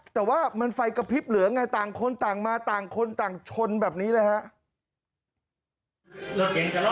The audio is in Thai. แต่ว่ามันไฟกระพริบเหลือไงต่างคนต่างมาต่างคนต่างชนแบบนี้เลยฮะ